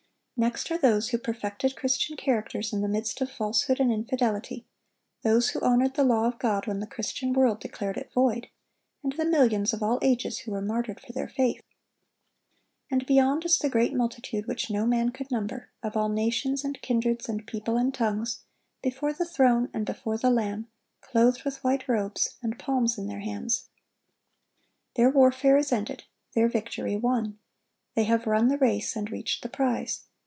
Next are those who perfected Christian characters in the midst of falsehood and infidelity, those who honored the law of God when the Christian world declared it void, and the millions, of all ages, who were martyred for their faith. And beyond is the "great multitude, which no man could number, of all nations, and kindreds, and people, and tongues, ... before the throne, and before the Lamb, clothed with white robes, and palms in their hands."(1158) Their warfare is ended, their victory won. They have run the race and reached the prize.